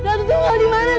datuk tunggal dimana datuk